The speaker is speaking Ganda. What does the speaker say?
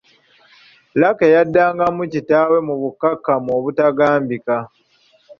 Lucky yaddangamu kitaawe mu bukkakkamu obutagambika.